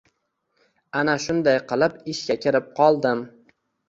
Ana shunday qilib ishga kirib qoldim.